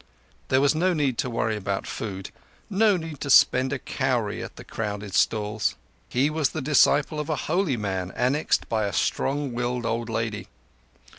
There was no need to worry about food—no need to spend a cowrie at the crowded stalls. He was the disciple of a holy man annexed by a strong willed old lady.